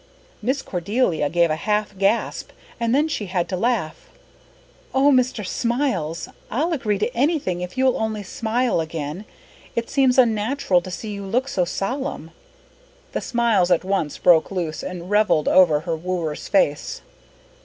Miss Cordelia gave a half gasp and then she had to laugh. "Oh, Mr. Smiles, I'll agree to anything if you'll only smile again. It seems unnatural to see you look so solemn." The smiles at once broke loose and revelled over her wooer's face.